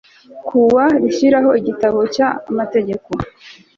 kuwa rishyiraho Igitabo cy Amategeko